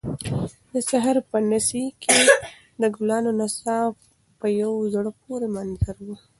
د سهار په نسي کې د ګلانو نڅا یو په زړه پورې منظر وي